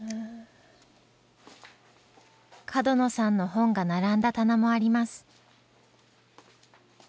角野さんの本が並んだ棚もあります。